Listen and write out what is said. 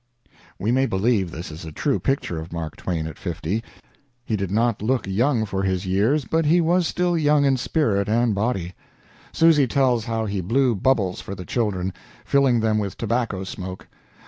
We may believe this is a true picture of Mark Twain at fifty. He did not look young for his years, but he was still young in spirit and body. Susy tells how he blew bubbles for the children, filling them with tobacco smoke.